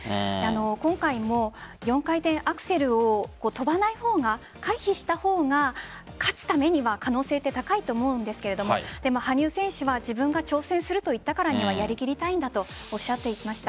今回も４回転アクセルを跳ばない方が回避した方が勝つためには可能性って高いと思うんですが羽生選手は自分が挑戦すると言ったからにはやりきりたいんだとおっしゃっていました。